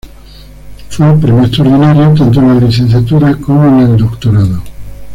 Fue premio extraordinario tanto en la licenciatura como en el doctorado.